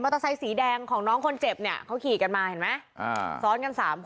ล่ะล่ะล่ะล่ะล่ะล่ะล่ะล่ะล่ะล่ะล่ะล่ะ